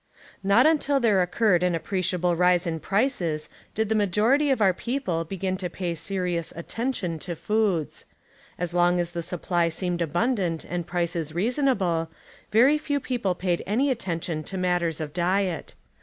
3 Not until there oecurred an appreciable rise in prices did the majority of our people begin to paj' serious attention to foods. As long as the supply seemed abundant and prices reasonable, very few people paid any attention to matters of diet.